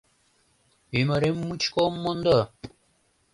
Ӱмырем мучко ом мондо!